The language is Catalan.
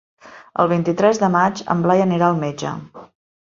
El vint-i-tres de maig en Blai anirà al metge.